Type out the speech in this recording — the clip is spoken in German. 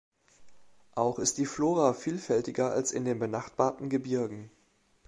Auch ist die Flora vielfältiger als in den benachbarten Gebirgen.